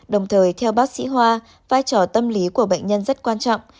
đồng thời theo bác sĩ hoa vai trò tâm lý của bệnh nhân rất quan trọng